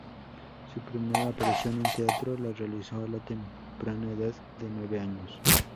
Su primera aparición en teatro la realizó a la temprana edad de nueve años.